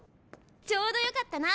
ちょうどよかったな。